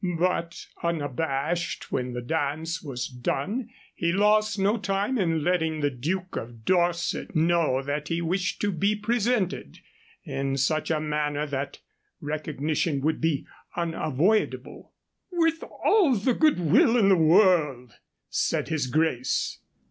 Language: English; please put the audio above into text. But, unabashed, when the dance was done he lost no time in letting the Duke of Dorset know that he wished to be presented, in such a manner that recognition would be unavoidable. "With all the good will in the world," said his grace.